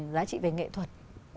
giá trị về nghệ thuật